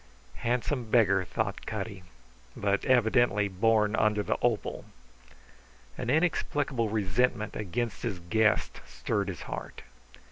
Handsome beggar, thought Cutty; but evidently born under the opal. An inexplicable resentment against his guest stirred his heart.